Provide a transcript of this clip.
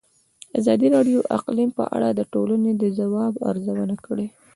ازادي راډیو د اقلیم په اړه د ټولنې د ځواب ارزونه کړې.